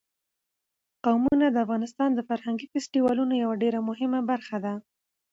قومونه د افغانستان د فرهنګي فستیوالونو یوه ډېره مهمه برخه ده.